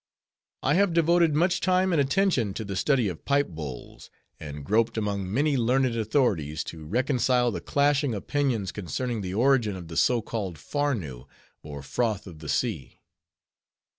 "I have devoted much time and attention to the study of pipe bowls, and groped among many learned authorities, to reconcile the clashing opinions concerning the origin of the so called Farnoo, or Froth of the Sea."